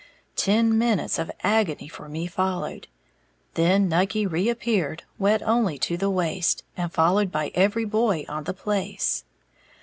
Ten minutes of agony for me followed; then Nucky reappeared, wet only to the waist, and followed by every boy on the place.